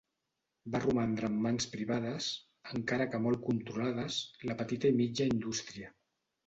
Va romandre en mans privades, encara que molt controlades, la petita i mitja indústria.